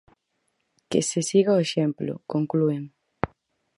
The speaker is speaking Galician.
"Que se siga o exemplo", conclúen.